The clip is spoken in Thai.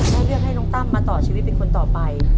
แล้วเลือกให้น้องตั้มมาต่อชีวิตเป็นคนต่อไป